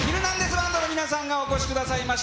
バンドの皆さんがお越しくださいました。